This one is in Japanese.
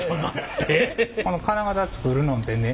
この金型作るのんてね